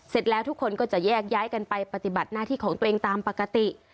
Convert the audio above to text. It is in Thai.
เสร็จแล้วทุกคนก็จะแยกย้ายกันไปปฏิบัติหน้าที่ของตัวเองตามปกติ